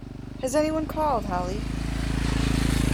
Has any one called, Holly?